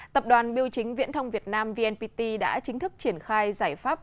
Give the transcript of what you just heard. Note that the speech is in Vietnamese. tập đoàn biêu chính viễn thông việt nam vnpt đã chính thức triển khai giải pháp